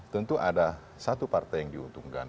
tentu ada satu partai yang diuntungkan